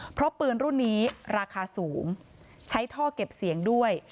เพราะปืนรุ่นนี้ราคาสูงใช้ท่อเก็บเสียงด้วย